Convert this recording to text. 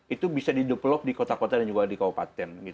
itu bisa didevelop di kota kota dan juga di kabupaten